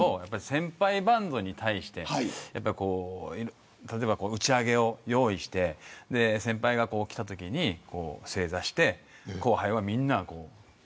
先輩バンドに対して例えば、打ち上げを用意して先輩が来たときに正座して、後輩はみんな。